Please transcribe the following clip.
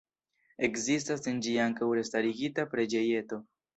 Ekzistas en ĝi ankaŭ restarigita preĝejeto.